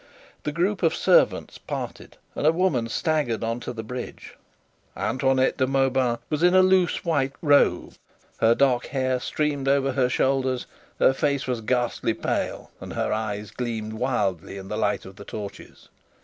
The group of servants parted and a woman staggered on to the bridge. Antoinette de Mauban was in a loose white robe, her dark hair streamed over her shoulders, her face was ghastly pale, and her eyes gleamed wildly in the light of the torches.